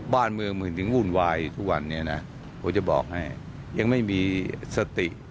บ้านเมืองมึงถึงวุ่นวายทุกวันนี้นะผมจะบอกให้ยังไม่มีสติ